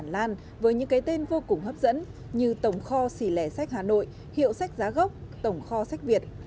các sách giả tràn lan với những cái tên vô cùng hấp dẫn như tổng kho xỉ lẻ sách hà nội hiệu sách giá gốc tổng kho sách việt